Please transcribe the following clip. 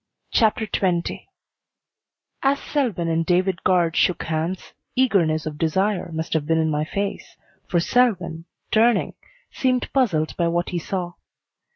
CHAPTER XX As Selwyn and David Guard shook hands, eagerness of desire must have been in my face, for Selwyn, turning, seemed puzzled by what he saw.